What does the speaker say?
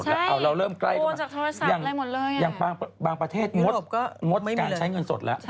ใช่โปรดจากธรรมชาติแล้วหมดเลยอ่ะอย่างบางประเทศงดการใช้เงินสดแล้ว